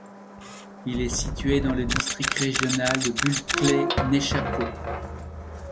Il est situé dans le district régional de Bulkley-Nechako.